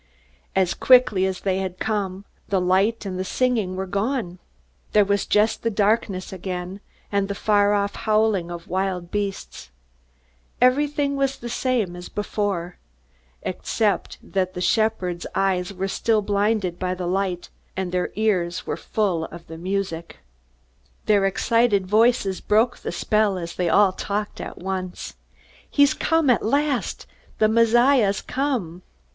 As quickly as they had come, the light and the singing were gone. There was just the darkness again, and the far off howling of wild beasts. Everything was the same as before, except that the shepherds' eyes were still blinded by the light, and their ears were full of the music. Their excited voices broke the spell as they all talked at once. "He's come at last the Messiah's come!"